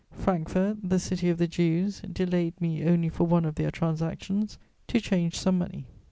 Frankfort, the city of the Jews, delayed me only for one of their transactions: to change some money.